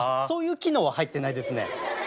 そういう機能は入ってないですね。